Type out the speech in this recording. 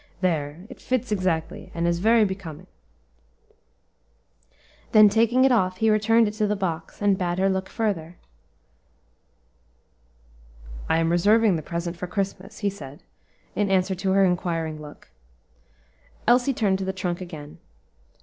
"There! it fits exactly, and is very becoming." Then taking it off, he returned it to the box, and bade her look further. "I am reserving the present for Christmas," he said, in answer to her inquiring look. Elsie turned to the trunk again.